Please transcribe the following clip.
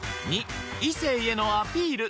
２異性へのアピール